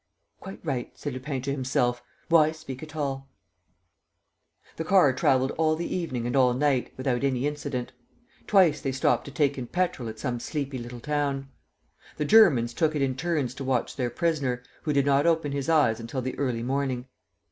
"Quite right," said Lupin to himself. "Why speak at all?" The car travelled all the evening and all night, without any incident. Twice they stopped to take in petrol at some sleepy little town. The Germans took it in turns to watch their prisoner, who did not open his eyes until the early morning.